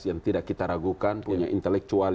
yang tidak kita ragukan punya intelektual